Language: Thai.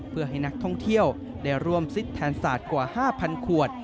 เพื่อให้นักท่องเที่ยวได้ร่วมซิดแทนศาสตร์กว่า๕๐๐ขวด